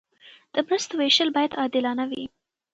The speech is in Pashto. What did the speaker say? د مرستو ویشل باید عادلانه وي.